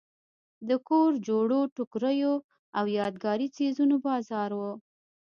د کور جوړو ټوکریو او یادګاري څیزونو بازار و.